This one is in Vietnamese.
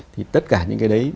thì tất cả những cái đấy